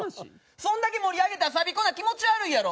そんだけ盛り上げたらサビ来な気持ち悪いやろ。